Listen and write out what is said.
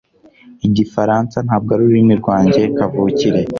Igifaransa ntabwo ari ururimi rwanjye kavukire